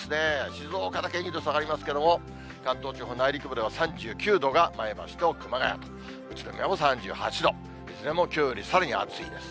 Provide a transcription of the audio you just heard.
静岡だけ２度下がりますけれども、関東地方内陸部では３９度が前橋の熊谷と、宇都宮も３８度、いずれもきょうよりさらに暑いです。